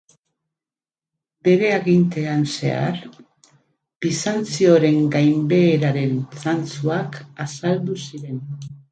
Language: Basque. Bere agintean zehar Bizantzioren gainbeheraren zantzuak azaldu ziren.